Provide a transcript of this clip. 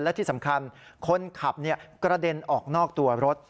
และที่สำคัญคนขับกระเด็นออกนอกตัวรถ